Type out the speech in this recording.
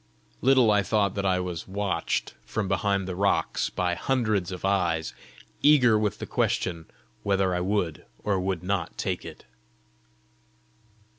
Little I thought that I was watched from behind the rocks by hundreds of eyes eager with the question whether I would or would not take it.